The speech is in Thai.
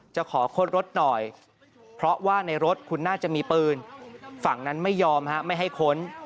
ขอค้นรถหน่อยเพราะว่าในรถคุณน่าจะมีปืนฝั่งนั้นไม่ยอมไม่ให้ค้น